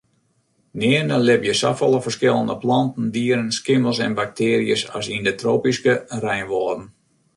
Nearne libje safolle ferskillende planten, dieren, skimmels en baktearjes as yn de tropyske reinwâlden.